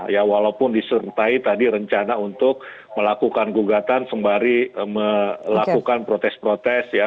ya walaupun disertai tadi rencana untuk melakukan gugatan sembari melakukan protes protes ya